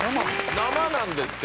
生なんですって。